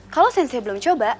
kalau sensei belum coba